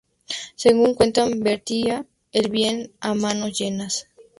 Según cuentan vertía el bien a manos llenas.